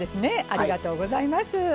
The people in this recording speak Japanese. ありがとうございます。